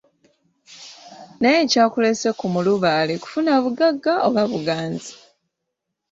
Naye ekyakuleese ku mulubaale kufuna bugagga oba buganzi?